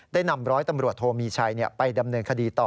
ได้นำร้อยตำรวจโทมีชัยไปดำเนินคดีต่อ